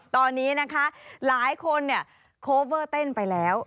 ตอนนี้นะคะหลายคนเนี่ยโคเวอร์เต้นไปแล้ว